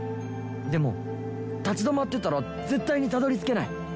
でも立ち止まってたら絶対にたどりつけない！